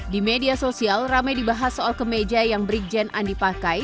di media sosial ramai dibahas soal kemeja yang brigjen andi pakai